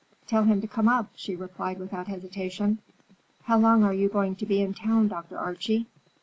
"Tell him to come up," she replied without hesitation. "How long are you going to be in town, Dr. Archie?"